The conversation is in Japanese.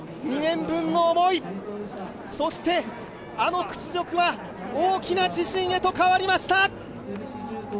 ２年分の思い、そしてあの屈辱は大きな自信へと変わりました。